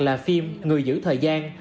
là phim người giữ thời gian